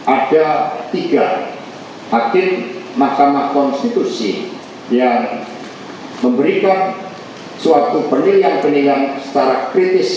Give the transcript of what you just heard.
ada tiga hakim mahkamah konstitusi yang memberikan suatu penilaian penilaian secara kritis